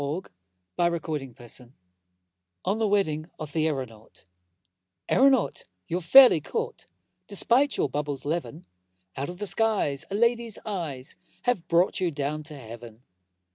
Ambrose Bierce On the Wedding of the Aeronaut AERONAUT, you're fairly caught, Despite your bubble's leaven: Out of the skies a lady's eyes Have brought you down to Heaven!